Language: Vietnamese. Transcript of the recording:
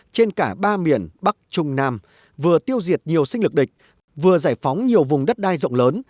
trên cả ba miền bắc trung nam vừa tiêu diệt nhiều sinh lực địch vừa giải phóng nhiều vùng đất đai rộng lớn